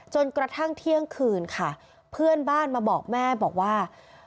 จนกระทั่งเที่ยงคืนค่ะเพื่อนบ้านมาบอกแม่บอกว่า